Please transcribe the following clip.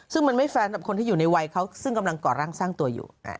ซึ่งมันไม่แฟนกับคนที่อยู่ในวัยเขาซึ่งกำลังก่อร่างสร้างตัวอยู่